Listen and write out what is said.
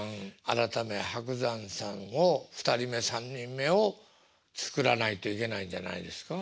改め伯山さんを２人目３人目をつくらないといけないんじゃないですか？